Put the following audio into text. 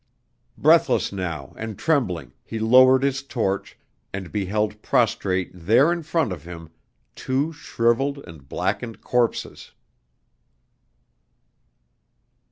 Breathless now, and trembling, he lowered his torch, and beheld prostrate there in front of him two shriveled and blackened corpses!